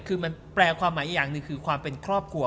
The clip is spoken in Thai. คือมันแปลความหมายอย่างหนึ่งคือความเป็นครอบครัว